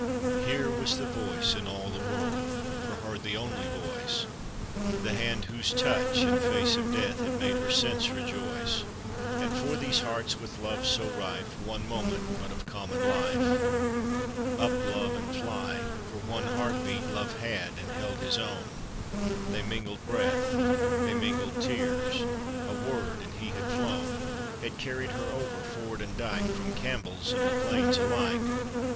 Here was the voice in all the world, For her the only voice — The hand whose touch in face of death Had made her sense rejoice; And for these hearts with love so rife, One moment but of common life !" Up, love, and fly !" For one heart beat Love had and held his own : They mingled breath, they mingled tears — A word and he had flown, Had carried her over ford and dyke . From Campbells and MacLeans alike.